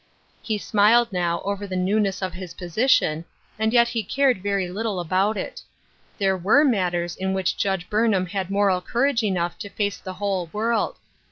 He smiled now over the newness of his position, and yet he cared very little about if There were matters in which Judge Burnham had moral courage enough to face the whole woild.